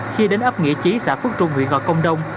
khi đến ấp nghĩa chí xã phước trung huyện gò công đông